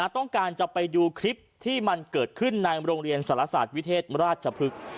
ต้องการจะไปดูคลิปที่มันเกิดขึ้นในโรงเรียนสารศาสตร์วิเทศราชพฤกษ์